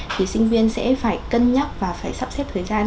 thì sinh viên sẽ phải cân nhắc và phải sắp xếp thời gian